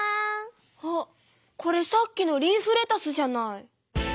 あこれさっきのリーフレタスじゃない！